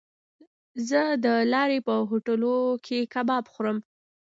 زه د لارې په هوټلو کې کباب خورم.